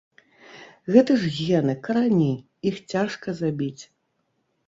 Гэта ж гены, карані, іх цяжка забіць.